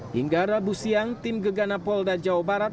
hingga rabu siang tim gegana polda jawa barat